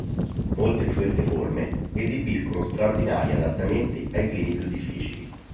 Molte di queste forme esibiscono straordinari adattamenti ai climi più difficili.